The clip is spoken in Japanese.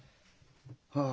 ああ。